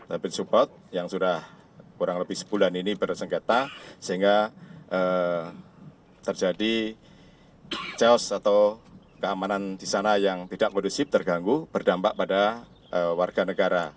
tapi support yang sudah kurang lebih sebulan ini bersengketa sehingga terjadi chaos atau keamanan di sana yang tidak kondusif terganggu berdampak pada warga negara